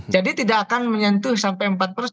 jadi tidak akan menyentuh sampai empat